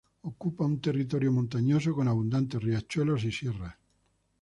Ocupa un territorio montañoso, con abundantes riachuelos y sierras.